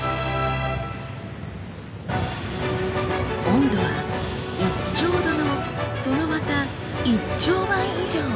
温度は１兆度のそのまた１兆倍以上！